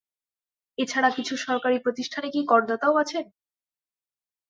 এ ছাড়া কিছু সরকারি প্রতিষ্ঠানে কি করদাতাও আছেন?